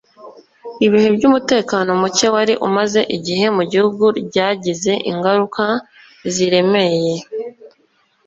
ibihe by'umutekano muke wari umaze igihe mu gihugu ryagize ingaruka ziremeye